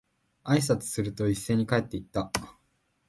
挨拶をすると、一斉に帰って行った。